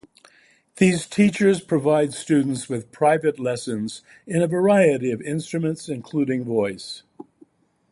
These teachers provide students with private lessons in a variety of instruments, including voice.